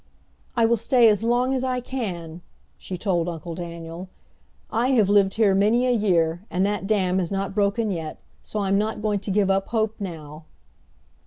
"I will stay as long as I can," she told Uncle Daniel. "I have lived here many a year, and that dam has not broken yet, so I'm not going to give up hope now!"